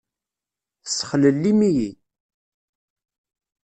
Tessexlellim-iyi!